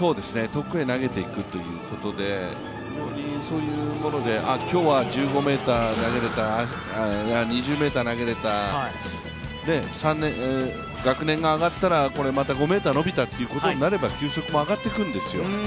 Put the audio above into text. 遠くへ投げていくということで非常にそういうもので今日は１５ｍ投げれた、２０ｍ投げられた、学年が上がったらこれまた５ｍ伸びたということになれば球速も上がっていくんですよ。